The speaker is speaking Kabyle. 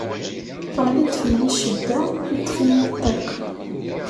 Teɣli-d fell-i ccedda, iṭṭef-iyi ṭṭiq.